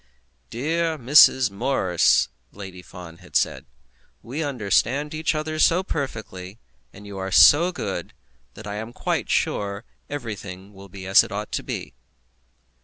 "Dear Miss Morris," Lady Fawn had said, "we understand each other so perfectly, and you are so good, that I am quite sure everything will be as it ought to be."